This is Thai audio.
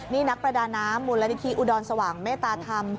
นี่นักประดาน้ำมูลนิธิอุดรสว่างเมตตาธรรม